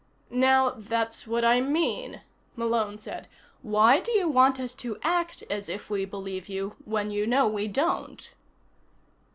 "Now that's what I mean," Malone said. "Why do you want us to act as if we believe you, when you know we don't?"